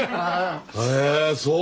へえそう。